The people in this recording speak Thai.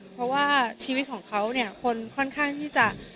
เพราะว่าชีวิตของเขาค่อนข้างที่จะ